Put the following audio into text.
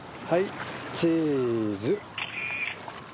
はい！